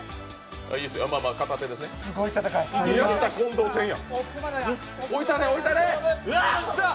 宮下・近藤戦や。